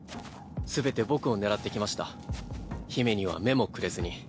全て僕を狙ってきました姫には目もくれずに。